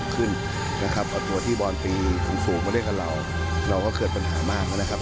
ก็เล่นกับเราเราก็เกิดปัญหามากนะครับ